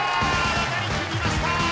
渡りきりました！